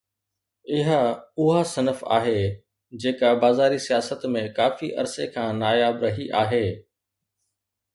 اها اها صنف آهي جيڪا بازاري سياست ۾ ڪافي عرصي کان ناياب رهي آهي.